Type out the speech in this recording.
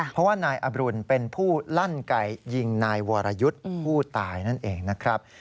เพราะว่านายอบรุนเป็นผู้ลั่นไก่ยิงนายวรยุทธ์ผู้ตายนั่นเองนะครับ